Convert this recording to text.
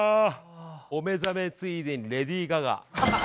お目覚めついでにレディー・ガガ。